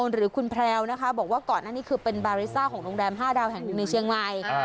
หรือคุณแพรวนะคะบอกว่าก่อนหน้านี้คือเป็นบาริซ่าของโรงแรม๕ดาวแห่งหนึ่งในเชียงใหม่